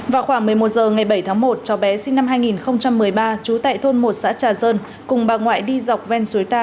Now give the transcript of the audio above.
vào khoảng một mươi một h ngày bảy tháng một cháu bé sinh năm hai nghìn một mươi ba trú tại thôn một xã trà sơn cùng bà ngoại đi dọc ven suối ta